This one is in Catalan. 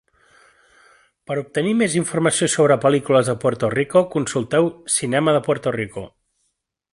Per obtenir més informació sobre les pel·lícules de Puerto Rico, consulteu Cinema de Puerto Rico.